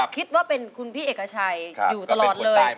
คิดว่าเป็นคุณพี่เอกชัยอยู่ตลอดเลย